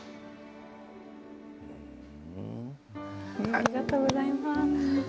ありがとうございます。